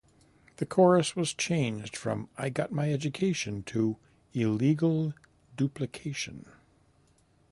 The chorus was changed from "I Got My Education" to "Illegal Duplication.